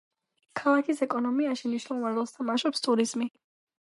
ქალაქის ეკონომიკაში მნიშვნელოვან როლს თამაშობს ტურიზმი.